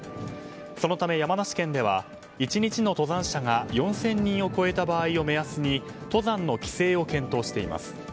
そのため、山梨県では１日の登山者が４０００人を超えた場合を目安に登山の規制を検討しています。